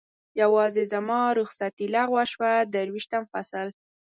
یوازې زما رخصتي لغوه شوه، درویشتم فصل.